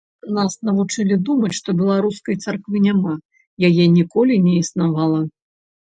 Нас навучылі думаць, што беларускай царквы няма, яе ніколі не існавала.